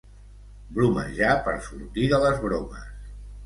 Bromejar per sortir de les bromes.